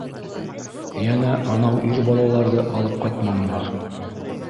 Йә анау ир балаларҙы алып ҡайтманылар.